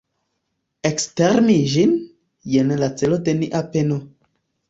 Ekstermi ĝin, jen la celo de nia peno.